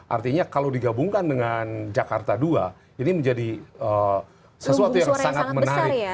artinya kalau digabungkan dengan jakarta dua ini menjadi sesuatu yang sangat menarik